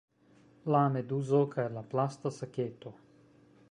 La meduzo kaj la plasta saketo